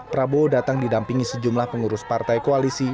prabowo datang didampingi sejumlah pengurus partai koalisi